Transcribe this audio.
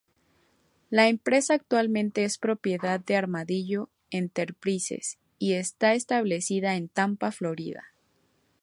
La empresa actualmente es propiedad de Armadillo Enterprises y está establecida en Tampa, Florida.